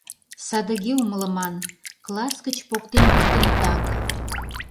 Садыге умылыман: класс гыч поктен луктынытак.